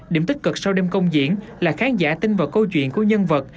điểm tích cực sau đêm công diễn là khán giả tin vào câu chuyện của nhân vật